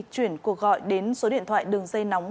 chuyển cuộc gọi đến số điện thoại đường dây nóng